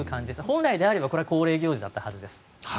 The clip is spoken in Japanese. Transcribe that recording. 本来であればこれは恒例行事だったはずです。